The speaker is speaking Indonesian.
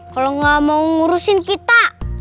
kalo gak mau ngurusin kita